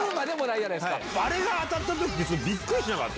あれが当たったとき、びっくりしなかった？